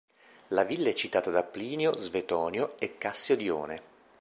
La villa è citata da Plinio, Svetonio e Cassio Dione.